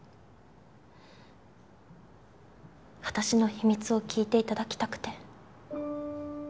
私の秘密を聞いて頂きたくて。